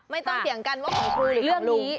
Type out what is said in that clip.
ไม่ต้องเถียงกันว่าของครูหรือของลุงจบแล้ว